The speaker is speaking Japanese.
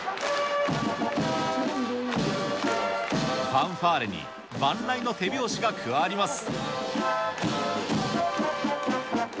ファンファーレに万雷の手拍子が加わります。